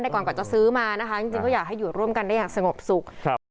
แต่ก่อนกว่าจะซื้อมานะคะจริงจริงก็อยากให้อยู่ร่วมกันได้อย่างสงบสุขครับ